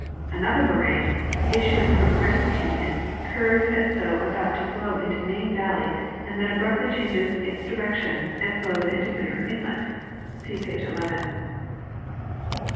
Another moraine, issuing from Granite canyon, curves as though about to flow into Main valley and then abruptly changes its direction and flows to Muir inlet (see plate 11).